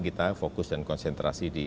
kita fokus dan konsentrasi di